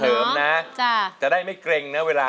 เป็นไงครับตัวใหม่ของเรา